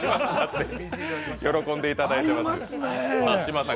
喜んでいただいています。